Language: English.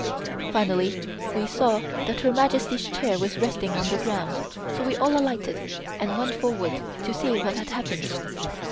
Finally we saw that Her Majesty's chair was resting on the ground, so we all alighted and went forward to see what had happened.